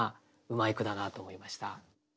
うまい句だなと思いました。